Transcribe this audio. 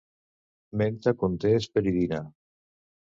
Menta conté hesperidina.